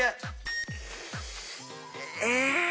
え